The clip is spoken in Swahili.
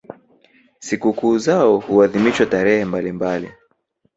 Sikukuu zao huadhimishwa tarehe mbalimbali.